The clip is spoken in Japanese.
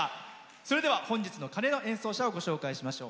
それでは本日の鐘の演奏者をご紹介しましょう。